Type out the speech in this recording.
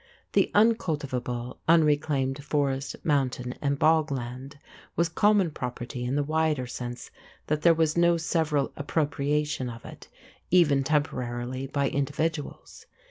The uncultivable, unreclaimed forest, mountain, and bog land was common property in the wider sense that there was no several appropriation of it even temporarily by individuals.